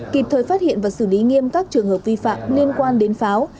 kịp thời phát hiện và xử lý nghiêm các trường hợp vi phạm liên quan đến pháo